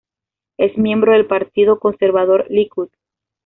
Es miembro del partido conservador Likud.